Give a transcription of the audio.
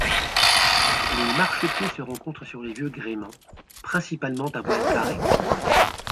Les marchepieds se rencontrent sur les vieux gréements, principalement à voiles carrées.